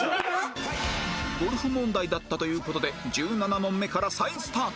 ゴルフ問題だったという事で１７問目から再スタート